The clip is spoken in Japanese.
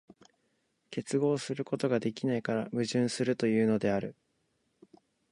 結合することができないから矛盾するというのである。